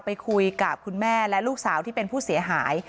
ไปคุยกับคุณแม่และลูกสาวที่เป็นผู้เสียหาย